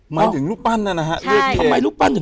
หมายถึงลูกปั้นนะนะฮะ